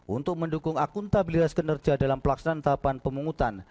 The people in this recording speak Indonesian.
untuk mendukung akuntabilitas kinerja dalam pelaksanaan tahapan pemungutan